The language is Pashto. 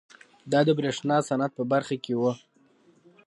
دا د برېښنا صنعت په برخه کې وه.